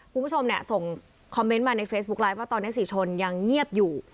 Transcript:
คุณผู้ชมเนี่ยส่งคอมเมนต์มาในเฟซบุ๊คไลฟ์ว่าตอนนี้ศรีชนยังเงียบอยู่